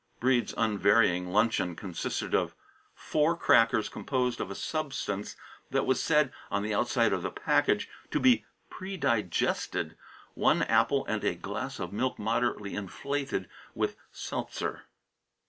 Breede's unvarying luncheon consisted of four crackers composed of a substance that was said, on the outside of the package, to be "predigested," one apple, and a glass of milk moderately inflated with seltzer.